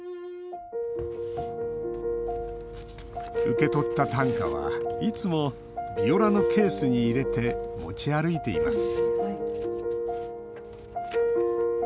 受け取った短歌はいつもヴィオラのケースに入れて持ち歩いています。